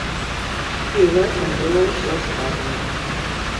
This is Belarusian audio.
І гэтым было ўсё сказана.